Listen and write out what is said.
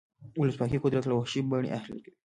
ولسواکي قدرت له وحشي بڼې اهلي کوي.